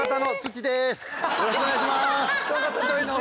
よろしくお願いします。